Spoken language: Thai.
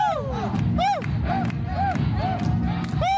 ในวันนี้ก็เป็นการประเดิมถ่ายเพลงแรก